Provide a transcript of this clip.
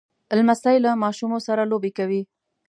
لمسی له ماشومو سره لوبې کوي.